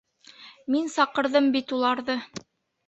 Мин саҡырҙым бит уларҙы.